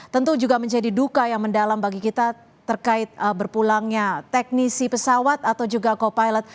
tentu juga menjadi duka yang mendalam bagi kita terkait berpulangnya teknisi pesawat atau juga co pilot